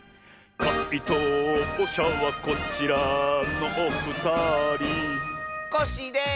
かいとうしゃはこちらのおふたりコッシーです！